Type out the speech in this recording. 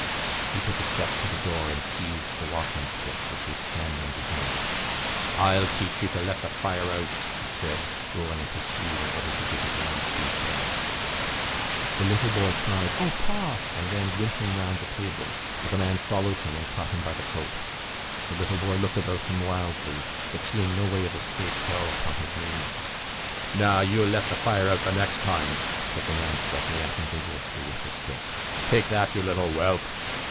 He took a step to the door and seized the walking stick which was standing behind it. "I'll teach you to let the fire out!" he said, rolling up his sleeve in order to give his arm free play. The little boy cried "O, pa!" and ran whimpering round the table, but the man followed him and caught him by the coat. The little boy looked about him wildly but, seeing no way of escape, fell upon his knees. "Now, you'll let the fire out the next time!" said the man striking at him vigorously with the stick. "Take that, you little whelp!"